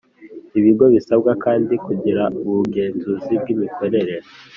Ibigo bisabwa kandi kugira ubugenzuzi bw'imikorere